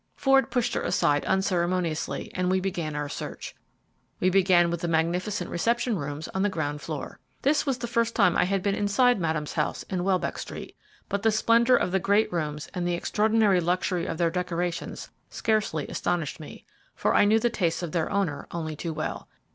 Ford pushed her aside unceremoniously, and we began our search. We began with the magnificent reception rooms on the ground floor. This was the first time I had been inside Madame's house in Welbeck Street, but the splendour of the great rooms and the extraordinary luxury of their decorations scarcely astonished me, for I knew the tastes of their owner only too well.